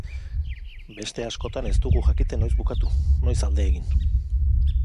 Beste askotan ez dugu jakiten noiz bukatu, noiz alde egin.